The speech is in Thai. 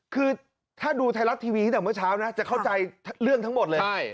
คือถ้าดูไทยรัฐทีวีตั้งแต่เมื่อเช้านะจะเข้าใจเรื่องทั้งหมดเลย